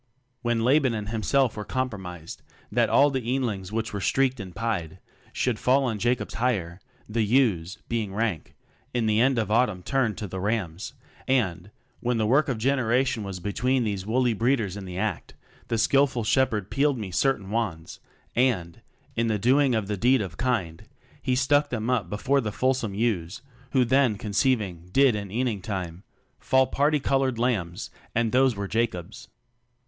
When Laban and himself were compromised That all the eanlings which were streaked and pied Should fall as Jacob's hire, the ewes, being rank, In the end of autumn turned to the rams, And, when the work of generation was Between these woolly breeders in the act, The skilful shepherd peel'd me certain wands And, in the doing of the deed of kind, He stuck them up before the fulsome ewes, Who then conceiving did in eaning time TECHNOCRACY 27 Fall parti colored lambs, and those were Jacob's.